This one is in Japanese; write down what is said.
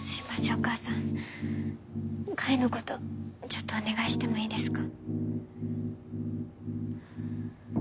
お母さん海のことちょっとお願いしてもいいですか？